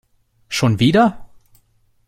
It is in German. Schon wieder?